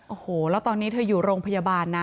โอ้โหแล้วตอนนี้เธออยู่โรงพยาบาลนะ